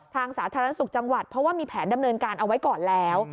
สาธารณสุขจังหวัดเพราะว่ามีแผนดำเนินการเอาไว้ก่อนแล้ว